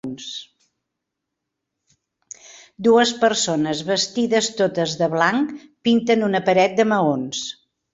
Dues persones vestides totes de blanc pinten una paret de maons.